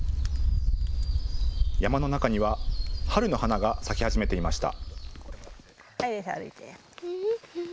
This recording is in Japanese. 山の中には春の花が咲き始めていました。